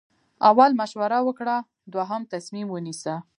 اول مشوره وکړه دوهم تصمیم ونیسه.